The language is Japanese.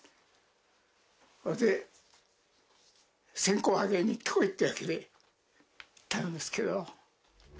それで、線香あげに行ってこいって行ったんですけど。